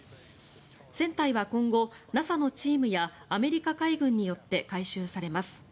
船体は今後、ＮＡＳＡのチームやアメリカ海軍によって回収されます。